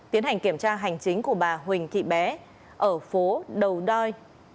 tiến hành kiểm tra hành chính của bà huỳnh thị bé ở phố đầu đoi